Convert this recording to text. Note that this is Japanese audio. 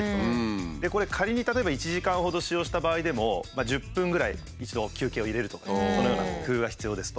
これ仮に例えば１時間ほど使用した場合でも１０分ぐらい一度休憩を入れるとかそのような工夫が必要ですと。